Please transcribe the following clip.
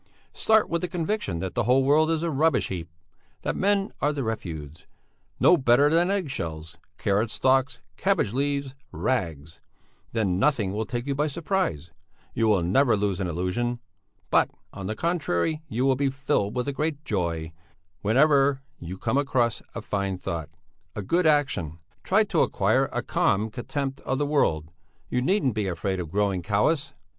Start with the conviction that the whole world is a rubbish heap; that men are the refuse, no better than egg shells, carrot stalks, cabbage leaves, rags; then nothing will take you by surprise, you will never lose an illusion; but, on the contrary, you will be filled with a great joy whenever you come across a fine thought, a good action; try to acquire a calm contempt of the world you needn't be afraid of growing callous."